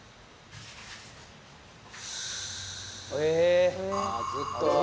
えずっと？